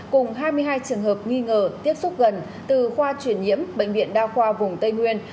cùng hai mươi hai trường hợp nghi ngờ tiếp xúc gần từ khoa chuyển nhiễm bệnh viện đa khoa vùng tây nguyên